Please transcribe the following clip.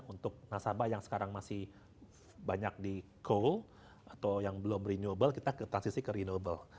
untuk nasabah yang sekarang masih banyak di coal atau yang belum renewable kita transisi ke renewable